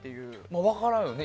分からんよね。